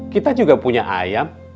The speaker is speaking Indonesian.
kita juga punya ayam